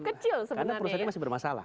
karena perusahaannya masih bermasalah